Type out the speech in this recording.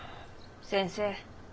先生。